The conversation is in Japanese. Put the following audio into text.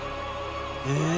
ええ？